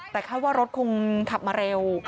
แต่คาดว่ารถคงขับมาเร็ว